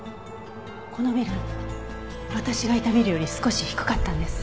このビル私がいたビルより少し低かったんです。